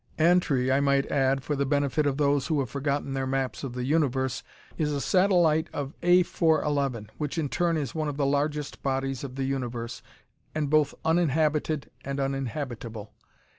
Antri, I might add, for the benefit of those who have forgotten their maps of the universe, is a satellite of A 411, which, in turn, is one of the largest bodies of the universe, and both uninhabited and uninhabitable.